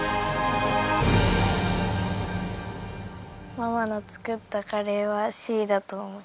ママの作ったカレーはＣだと思います。